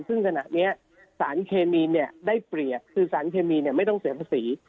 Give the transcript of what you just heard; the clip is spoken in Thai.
ซึ่งขณะนี้สารเคมีนได้เปรียบคือสารเคมีไม่ต้องเสียภาษี